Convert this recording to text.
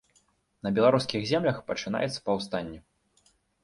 На беларускіх землях пачынаецца паўстанне.